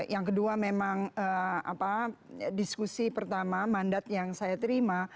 yang kedua memang diskusi pertama mandat yang saya terima